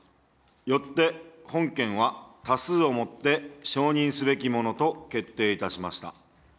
よって本件は多数をもって、承認すべきものと決定いたしました。